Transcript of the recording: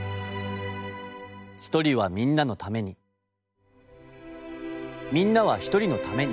「一人はみんなのためにみんなは一人のために」。